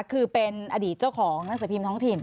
คือเป็นอดีตเจ้าของหนังสือพิมพ์ท้องถิ่น